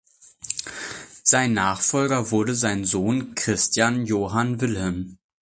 Sein Nachfolger wurde sein Sohn Christian Johann Wilhelm.